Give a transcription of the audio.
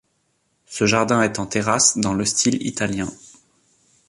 Ce jardin est en terrasses dans le style italien.